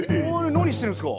何してるんすか。